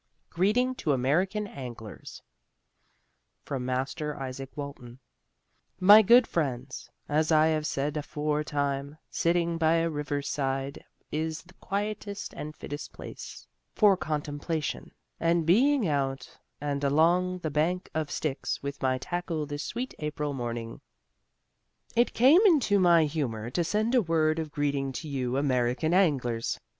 GREETING TO AMERICAN ANGLERS From Master Isaak Walton My Good Friends As I have said afore time, sitting by a river's side is the quietest and fittest place for contemplation, and being out and along the bank of Styx with my tackle this sweet April morning, it came into my humor to send a word of greeting to you American anglers.